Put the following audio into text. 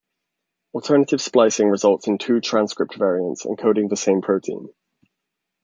Alternative splicing results in two transcript variants encoding the same protein.